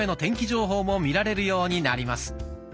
情報も見られるようになります。